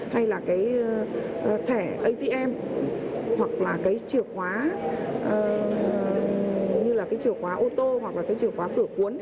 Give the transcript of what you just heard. hay là cái thẻ atm hoặc là cái chìa khóa như là cái chìa khóa ô tô hoặc là cái chìa khóa cửa cuốn